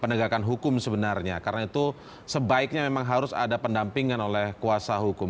penegakan hukum sebenarnya karena itu sebaiknya memang harus ada pendampingan oleh kuasa hukum